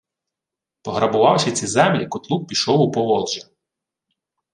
Пограбувавши ці землі, Кутлук пішов у Поволжя